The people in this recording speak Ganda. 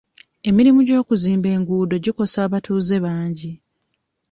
Emirimu gy'okuzimba enguudo gikosa abatuuze bangi.